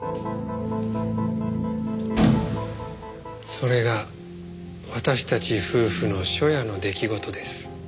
それが私たち夫婦の初夜の出来事です。